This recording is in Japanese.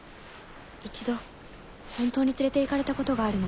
一度本当に連れて行かれたことがあるの。